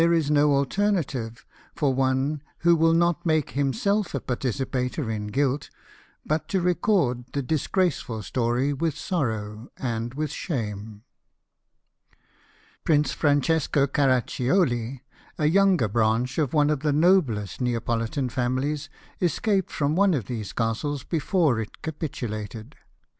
185 is no alternative for one who will not make himself a participator in guilt but to record the disgraceful story with sorrow and with shame. Prince Francesco CaraccioH, a younger branch of one of the noblest Neapohtan famihes, escaped from one of these castles before it capitulated.